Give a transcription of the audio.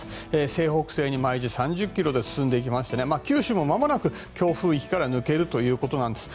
西北西に毎時３０ｋｍで進んでいきまして九州もまもなく強風域から抜けるということなんです。